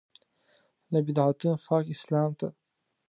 له بدعتونو پاک اسلام ته.